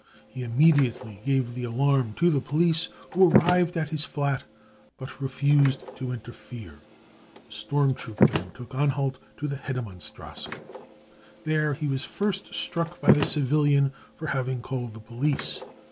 He immediately gave the alarm to tne police, who arrived at his flat but refused to interfere. The storm troop men took Anhalt to the Hedemannstrasse. There he was first struck by the civilian for having called the police.